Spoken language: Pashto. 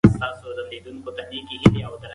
اوس یې همدې ته چرت واهه چې په کوم لور ولاړ شي.